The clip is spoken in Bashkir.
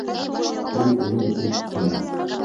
Ул урын үтте!